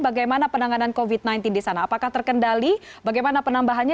bagaimana penanganan covid sembilan belas di sana apakah terkendali bagaimana penambahannya